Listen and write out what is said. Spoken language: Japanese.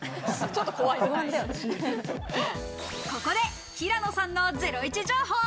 ここで平野さんのゼロイチ情報。